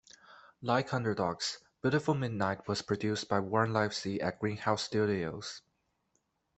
Like "Underdogs", "Beautiful Midnight" was produced by Warne Livesey at Greenhouse Studios.